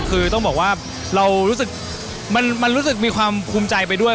คือต้องบอกว่าเรารู้สึกมันรู้สึกมีความภูมิใจไปด้วย